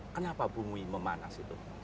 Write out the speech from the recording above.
kenapa bumi memanas itu